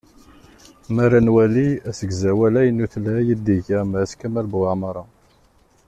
Mi ara nwali asegzawal aynutlay i d-iga Mass kamel Buεmara.